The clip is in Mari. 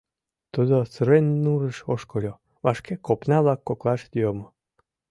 Тудо сырен нурыш ошкыльо, вашке копна-влак коклаш йомо.